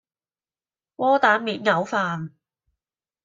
窩蛋免牛飯